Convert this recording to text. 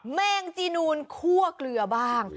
แมงจีนูนคั่วเกลือบ้าง